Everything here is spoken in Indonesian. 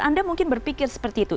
anda mungkin berpikir seperti itu